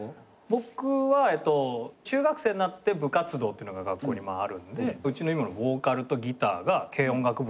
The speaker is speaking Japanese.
僕はえっと中学生になって部活動っていうのが学校にあるんでうちの今のボーカルとギターが軽音楽部に入るんですよ。